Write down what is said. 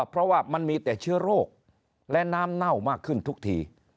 เพราะว่ามันมีแต่เชื้อโรคและน้ำเน่ามากขึ้นทุกที